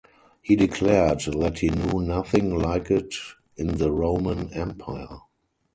He declared that he knew nothing like it in the Roman empire.